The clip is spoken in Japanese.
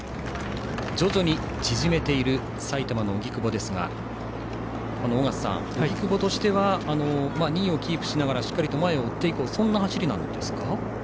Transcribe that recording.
徐々に縮めている埼玉の荻久保ですが尾方さん、荻久保としては２位をキープしながらしっかり前を追っていくという走りですか。